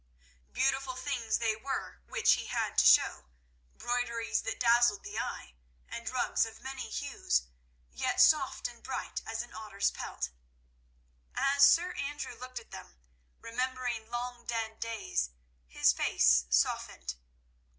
Beautiful things they were which he had to show; broideries that dazzled the eye, and rugs of many hues, yet soft and bright as an otter's pelt. As Sir Andrew looked at them, remembering long dead days, his face softened.